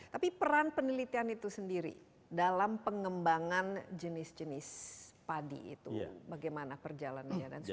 tapi peran penelitian itu sendiri dalam pengembangan jenis jenis padi itu bagaimana perjalannya